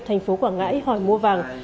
thành phố quảng ngãi hỏi mua vàng